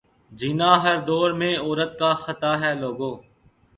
جینا ہر دور میں عورت کا خطا ہے لوگو